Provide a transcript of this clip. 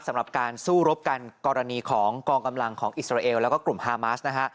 สำหรับการสู้รบกันกรณีของกองกำลังของอิสราเอลแล้วก็กลุ่มฮามาสนะฮะ